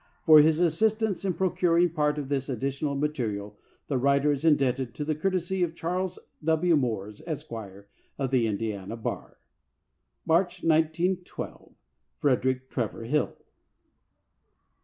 For his assist ance in procuring part of this additional material, the writer is indebted to the courtesy of Charles W. Moores, Esq., of the Indiana Bar. March, 1912. Frederick Trevor Hill.